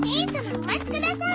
お待ちください！